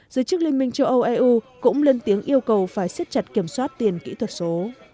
giới chức liên minh châu âu eu cũng lên tiếng yêu cầu phải siết chặt kiểm soát tiền kỹ thuật số